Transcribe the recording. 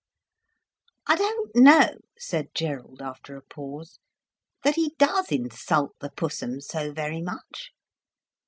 "I don't know," said Gerald, after a pause, "that he does insult the Pussum so very much.